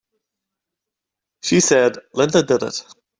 She said Linda did it!